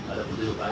ada penunjuk lain